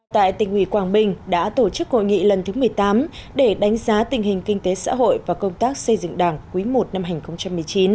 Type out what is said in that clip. tại tỉnh ủy quảng bình đã tổ chức hội nghị lần thứ một mươi tám để đánh giá tình hình kinh tế xã hội và công tác xây dựng đảng quý i năm hai nghìn một mươi chín